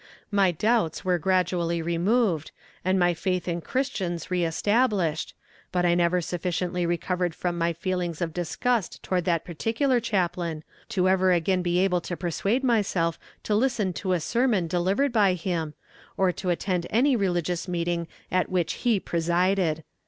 My doubts were gradually removed, and my faith in christians re established but I never sufficiently recovered from my feelings of disgust towards that particular chaplain, to ever again be able to persuade myself to listen to a sermon delivered by him, or to attend any religious meeting at which he presided.